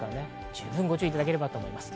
十分ご注意いただければと思います。